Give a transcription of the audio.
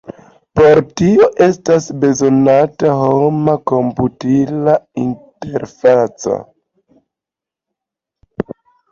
Por tio estas bezonata homa-komputila interfaco.